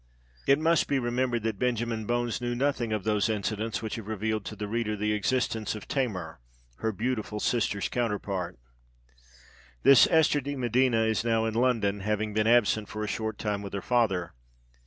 It must be remembered that Benjamin Bones knew nothing of those incidents which have revealed to the reader the existence of Tamar—her beautiful sister's counterpart. "This Esther de Medina is now in London, having been absent for a short time with her father.